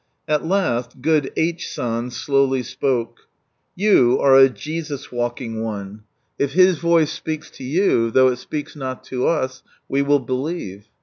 At last, good H. San slowly spoke :" You are a Jesus walking one ; if His voice speaks to you, though it speaks not to us, we will believe."